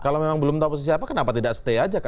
kalau memang belum tahu posisi apa kenapa tidak stay aja